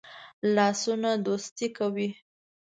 لاسونه دوستی کوي